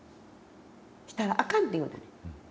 「したらあかん」って言うた。